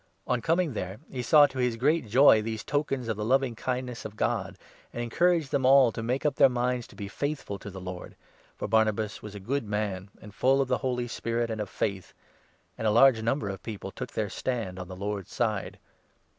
On coming there he saw to his great joy 23 these tokens of the loving kindness of God, and encouraged them all to make up their minds to be faithful to the Lord — for 24 Barnabas was a good man and full of the Holy Spirit and of faith — and a large number of people took their stand on the Lord's side.